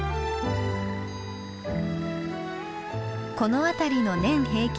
この辺りの年平均